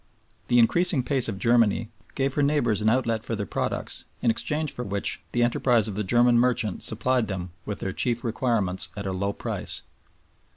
The increasing pace of Germany gave her neighbors an outlet for their products, in exchange for which the enterprise of the German merchant supplied them with their chief requirements at a low price.